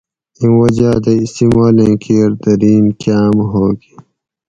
اِیں وجاۤ دہ استعمالیں کیر درین کاۤم ہوگ